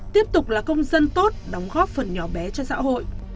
tiếp tục là công dân tốt đóng góp phần nhỏ bé cho xã hội